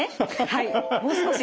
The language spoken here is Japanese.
はい。